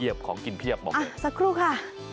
เยียบของกินเพียบบอกเลยนะครับสักครู่ค่ะ